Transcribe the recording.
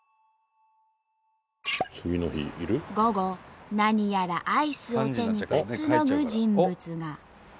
午後何やらアイスを手にくつろぐ人物が。